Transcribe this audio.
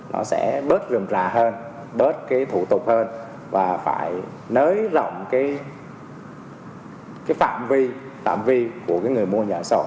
nó sẽ bớt rườm rà hơn bớt cái thủ tục hơn và phải nới rộng cái phạm vi phạm vi của cái người mua nhà sỏ